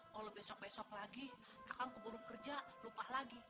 kalau besok besok lagi akan keburu kerja lupa lagi